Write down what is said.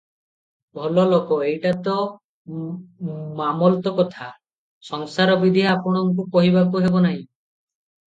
ଭଲଲୋକ- ଏଇଟା ତ ମାମଲତ କଥା, ସଂସାର ବିଧି ଆପଣଙ୍କୁ କହିବାକୁ ହେବ ନାହିଁ ।